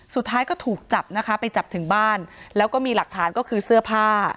สุดท้ายก็ถูกจับนะคะไปจับถึงบ้านแล้วก็มีหลักฐานก็คือเสื้อผ้า